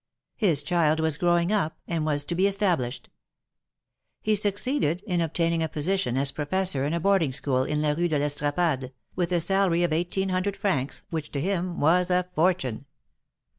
His child was growing np, and was to be established. He succeeded in obtaining a position as Professor in a boarding school in la Rue de I'Estrapade, with a salary of eighteen hundred francs, which to him was a fortune.